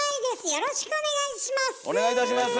よろしくお願いします。